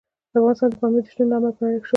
افغانستان د پامیر د شتون له امله په نړۍ شهرت لري.